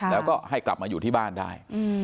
แล้วก็ให้กลับมาอยู่ที่บ้านได้